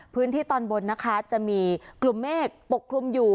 พื้นที่ตอนบนนะคะจะมีกลุ่มเมฆปกคลุมอยู่